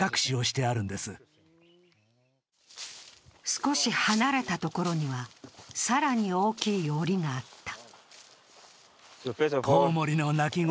少し離れたところには更に大きいおりがあった。